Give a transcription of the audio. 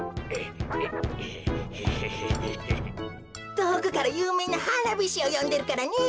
とおくからゆうめいなはなびしをよんでるからね。